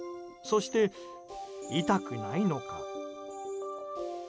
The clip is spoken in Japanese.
そして、痛くないのか。